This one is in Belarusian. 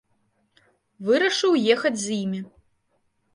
Вырашыў ехаць з імі.